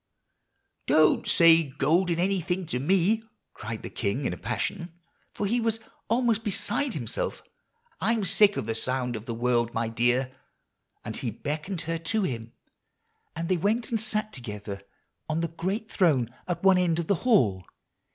"'Don't say golden anything to me,' cried the king in a passion, for he was almost beside himself. 'I'm sick of the sound of the word, my dear;' and he beckoned her to him, and they went and sat together on the great throne at one end of the hall.